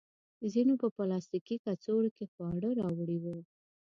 ځینو په پلاستیکي کڅوړو کې خواړه راوړي وو.